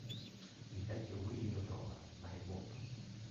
Il Vecchio Willy lo trova, ma è vuoto.